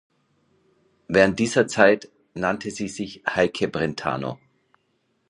Während dieser Zeit nannte sie sich „Heike Brentano“.